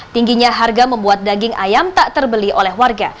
tingginya harga membuat daging ayam tak terbeli oleh warga